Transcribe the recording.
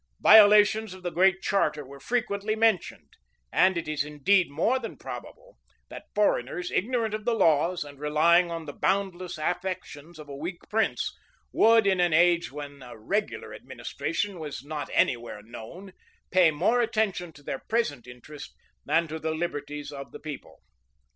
Violations of the Great Charter were frequently mentioned; and it is indeed more than probable, that foreigners, ignorant of the laws, and relying on the boundless affections of a weak prince, would, in an age when a regular administration was not any where known, pay more attention to their present interest than to the liberties of the people.